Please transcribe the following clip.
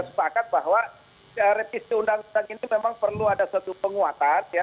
sepakat bahwa revisi undang undang ini memang perlu ada suatu penguatan ya